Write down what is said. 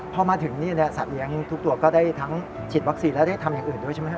พอมาถึงสัตว์เลี้ยงทุกตัวก็ได้ทั้งฉีดวัคซีนและได้ทำอย่างอื่นด้วยใช่ไหมครับ